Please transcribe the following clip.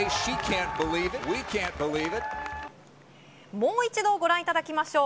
もう一度ご覧いただきましょう。